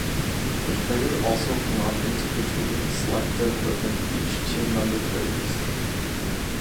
The player also cannot individually select the equipment each team member carries.